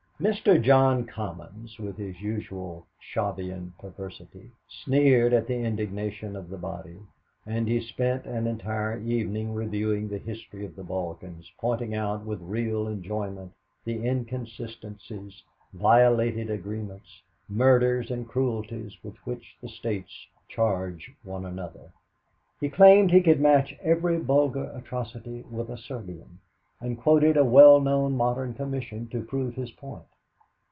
Mr. John Commons, with his usual Shavian perversity, sneered at the indignation of the body, and he spent an entire evening reviewing the history of the Balkans, pointing out with real enjoyment the inconsistencies, violated agreements, murders and cruelties with which the states charge one another. He claimed he could match every Bulgar atrocity with a Serbian, and quoted a well known modern commission to prove his point.